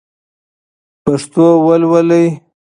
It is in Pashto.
پښتو لولئ!